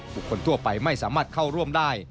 คนทั่วไปไม่สามารถเข้าร่วมได้